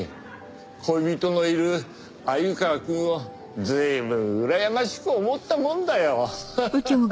恋人のいる鮎川くんを随分うらやましく思ったもんだよハハハハッ。